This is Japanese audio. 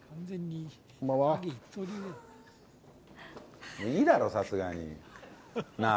もういいだろう、さすがに。なぁ。